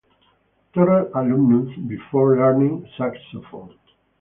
Terrell alumnus, before learning saxophone.